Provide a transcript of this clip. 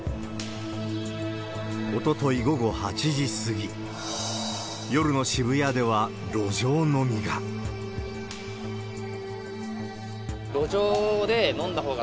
おととい午後８時過ぎ、夜の渋谷では路上飲みが。